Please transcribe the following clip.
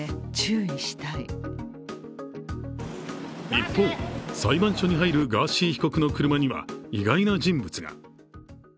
一方、裁判所に入るガーシー被告の車には意外な人物が。